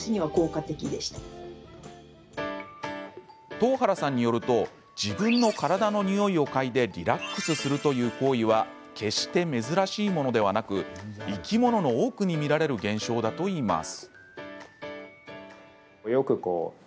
東原さんによると自分の体の匂いを嗅いでリラックスするという行為は決して珍しいものではなく生き物の多くに見られる現象だといいます。